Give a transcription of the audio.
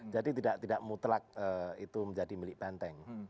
jadi tidak mutlak itu menjadi milik banteng